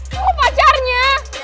lo kok pacarnya